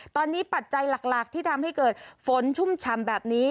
ตอนนี้ปัจจัยหลักที่ทำให้เกิดฝนชุ่มฉ่ำแบบนี้